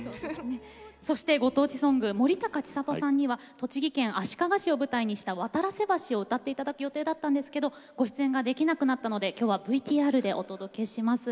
そしてご当地ソング森高千里さんには栃木県足利市を舞台にした「渡良瀬橋」を歌って頂く予定だったんですけどご出演ができなくなったので今日はＶＴＲでお届けします。